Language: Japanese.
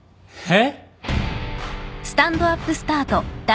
えっ？